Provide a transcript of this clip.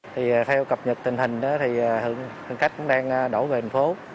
thì theo cập nhật tình hình đó thì hành khách cũng đang đổ về thành phố